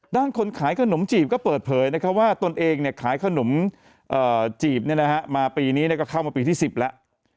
คนขายขนมจีบก็เปิดเผยว่าตนเองขายขนมจีบมาปีนี้ก็เข้ามาปีที่๑๐แล้ว